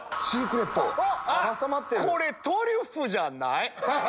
これトリュフじゃない？